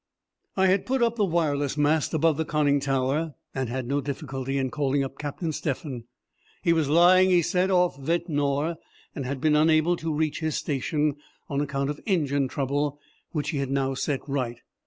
I had put up the wireless mast above the conning tower, and had no difficulty in calling up Captain Stephan. He was lying, he said, off Ventnor and had been unable to reach his station, on account of engine trouble, which he had now set right.